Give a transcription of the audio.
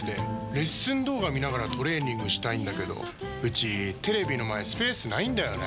レッスン動画見ながらトレーニングしたいんだけどうちテレビの前スペースないんだよねー。